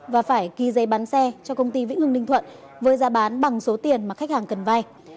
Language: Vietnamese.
và phải ghi giấy bán xe cho công ty vĩnh hưng ninh thuận với giá bán bằng số tiền mà khách hàng cần vay